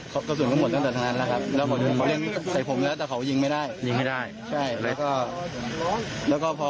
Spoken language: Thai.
ใสให้ผมแล้วแต่เขายิงไม่ได้ยิงไม่ได้ใช่แล้วก็แล้วก็พอ